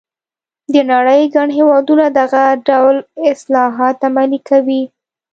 د نړۍ ګڼ هېوادونه دغه ډول اصلاحات عملي کوي.